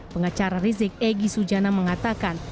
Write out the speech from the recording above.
pengacara rizik egy sujana mengatakan